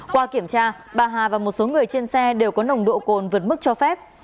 qua kiểm tra bà hà và một số người trên xe đều có nồng độ cồn vượt mức cho phép